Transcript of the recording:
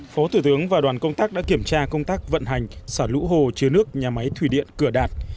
phó thủ tướng và đoàn công tác đã kiểm tra công tác vận hành xả lũ hồ chứa nước nhà máy thủy điện cửa đạt